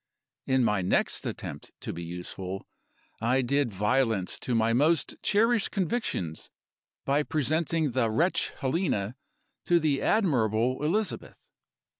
"In my next attempt to be useful, I did violence to my most cherished convictions, by presenting the wretch Helena to the admirable Elizabeth.